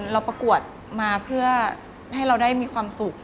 ประกวดมาเพื่อให้เราได้มีความสุข